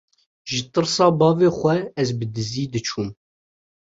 ji tirsa bavê xwe ez bi dizî diçûm.